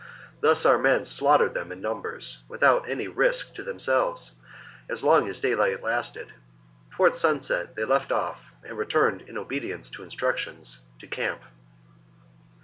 Thus our men slaughtered them in numbers, without any risk to themselves, as long as daylight lasted : towards sunset they left off, and returned, in obedience to instructions, to camp.